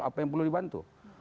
apa yang perlu dibantu